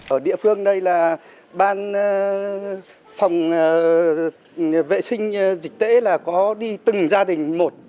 ở địa phương đây là ban phòng vệ sinh dịch tễ là có đi từng gia đình một